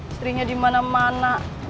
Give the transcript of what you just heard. istrinya di mana mana